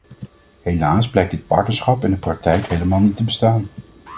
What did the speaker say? Helaas blijkt dit partnerschap in de praktijk helemaal niet te bestaan.